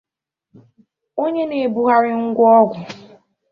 onye na-ebugharị ngwa ọgụ